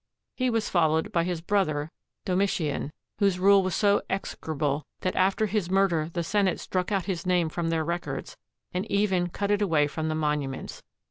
He was followed by his brother Domitian, whose rule was so execrable that after his murder the Senate struck out his name from their records, and even cut it away from the monuments.